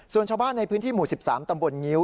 ส่วนชาวบ้านในพื้นที่หมู่๑๓ตำบลงิ้ว